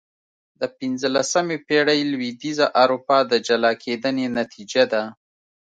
د پنځلسمې پېړۍ لوېدیځه اروپا د جلا کېدنې نتیجه ده.